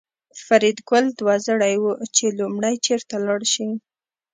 فریدګل دوه زړی و چې لومړی چېرته لاړ شي